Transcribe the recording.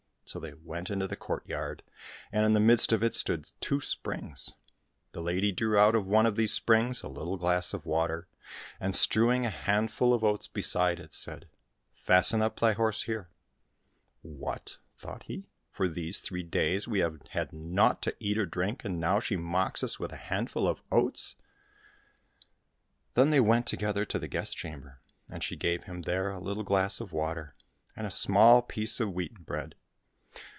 So they went into the courtyard, and in the midst of it stood two springs. The lady drew out of one of these springs a little glass of water, and strewing a handful of oats beside it, said, " Fasten up thy horse here !"—" What !" thought he, " for these three days we have had naught to eat or drink, and now she mocks us with a handful of oats !"— Then they went together to the guest chamber, and she gave him there a little glass of water and a small piece of wheaten bread.